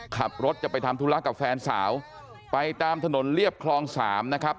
ขับรถจะไปทำธุระกับแฟนสาวไปตามถนนเรียบคลองสามนะครับ